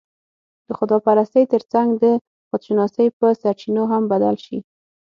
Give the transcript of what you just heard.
د خدا پرستۍ تر څنګ، د خودشناسۍ په سرچينو هم بدل شي